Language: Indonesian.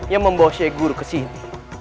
yang membawa sheikh guru ke sini